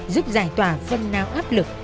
giúp giải tỏa phần nào áp lực